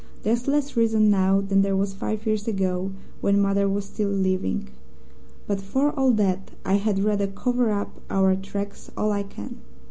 There's less reason now than there was five years ago when mother was still living. But for all that, I had rather cover up our tracks all I can.